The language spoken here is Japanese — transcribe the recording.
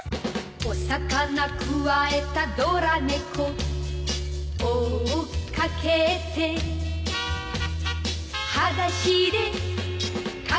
「お魚くわえたドラ猫」「追っかけて」「はだしでかけてく」